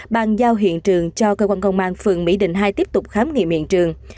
bàn giao hiện trường cho cơ quan công an phường mỹ đình hai tiếp tục khám nghiệm hiện trường